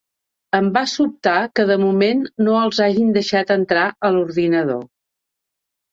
Em va sobtar que de moment no els hagin deixat entrar a l’ordinador.